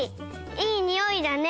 いいにおいだね。